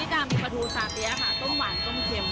นี่ค่ะมีปลาทูสาเตี๊ยค่ะส้มหวานส้มเช็ม